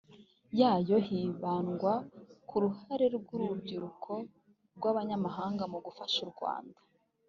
yayo hibandwa ku ruhare rw urubyiruko rw abanyamahanga mu gufasha u rwanda